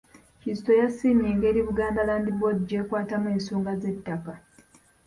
Kizito yasiimye engeri Buganda Land Board gy'ekwatamu ensonga z'ettaka.